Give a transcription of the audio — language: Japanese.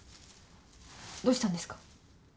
どうしたんですか？